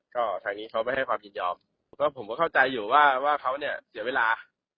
ก็ทางนี้เขาไม่ให้ความยินยอมก็ผมก็เข้าใจอยู่ว่าเขาเนี่ยเสียเวลา